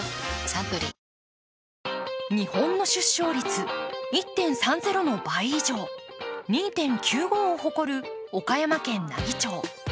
サントリー日本の出生率１．３０の倍以上、２．９５を誇る岡山県奈義町。